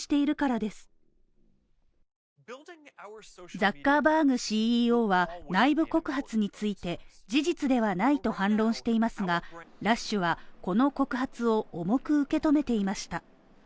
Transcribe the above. ザッカーバーグＣＥＯは内部告発について、事実ではないと反論していますが、ラッシュは、この告発を重く受け止めていました。